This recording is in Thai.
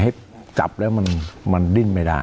ให้จับแล้วมันดิ้นไม่ได้